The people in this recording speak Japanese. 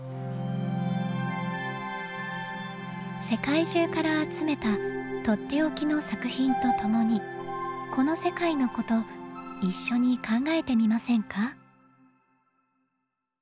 世界中から集めたとっておきの作品とともにこの世界のこと一緒に考えてみませんか？